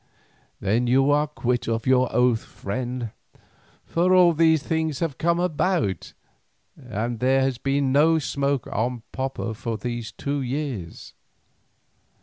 "Then you are quit of your oath, friend, for all these things have come about, and there has been no smoke on Popo for these two years.